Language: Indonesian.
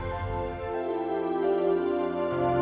ayu juga pasti marah kan